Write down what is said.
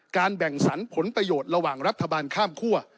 แบ่งสรรผลประโยชน์ระหว่างรัฐบาลข้ามคั่ว